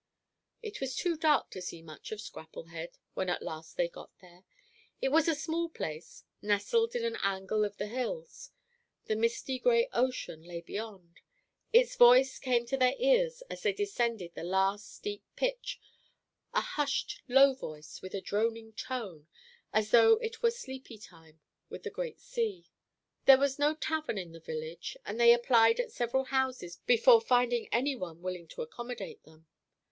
It was too dark to see much of Scrapplehead when at last they got there. It was a small place, nestled in an angle of the hills. The misty gray ocean lay beyond. Its voice came to their ears as they descended the last steep pitch, a hushed low voice with a droning tone, as though it were sleepy time with the great sea. There was no tavern in the village, and they applied at several houses before finding any one willing to accommodate them.